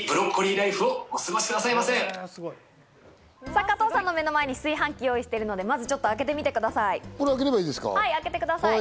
さぁ、加藤さんの目の前に炊飯器を用意しているので開けてみてください。